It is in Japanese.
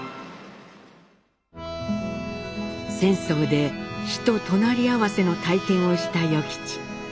戦争で死と隣り合わせの体験をした与吉。